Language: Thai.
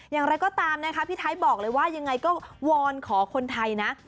อย่างไรก็ตามนะคะพี่ไทยบอกเลยว่ายังไงก็วอนขอคนไทยนะ